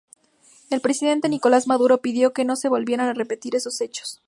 El presidente Nicolás Maduro pidió que no se volvieran a repetir esos hechos.